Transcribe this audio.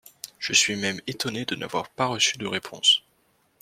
Je suis même étonné de n’avoir pas reçu de réponse.